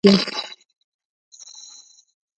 کویلیو ډیرې هڅې او معنوي سفرونه کړي دي.